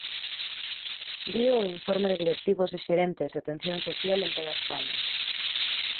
Dío o informe de directivos e xerentes de atención social en toda España.